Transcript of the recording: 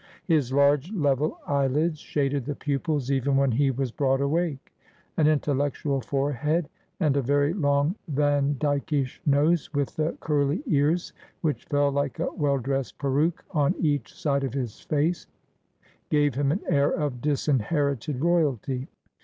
His large level eyelids shaded the pupils even when he was broad awake; an intellectual forehead, and a very long Vandykish nose, with the curly ears, which fell like a well dressed peruke on each side of his face, gave him an air of disinherited royalty.